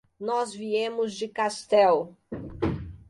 Nós viemos de Castell.